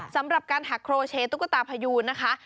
สำหรับการหักโครเชตุ๊กตาพยูนนะคะ